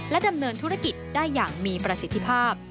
ดำเนินธุรกิจได้อย่างมีประสิทธิภาพ